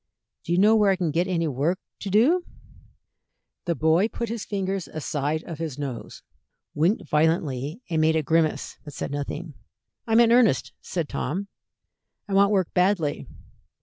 "Do you know where I can get any work to do?" The boy put his fingers aside of his nose, winked violently, and made a grimace, but said nothing. "I'm in earnest," said Tom. "I want work badly."